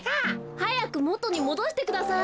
はやくもとにもどしてください。